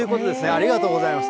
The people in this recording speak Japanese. ありがとうございます。